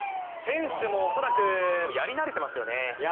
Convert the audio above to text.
選手も恐らくやり慣れてますよね。